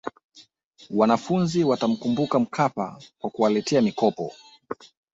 wanafunzi watamkumbuka mkapa kwa kuwaletea mikopo